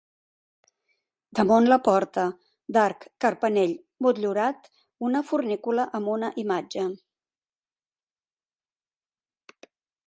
Damunt la porta, d'arc carpanell motllurat, una fornícula amb una imatge.